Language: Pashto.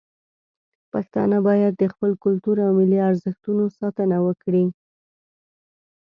پښتانه باید د خپل کلتور او ملي ارزښتونو ساتنه وکړي.